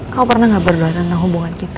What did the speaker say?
kau pernah gak berdoa tentang hubungan kita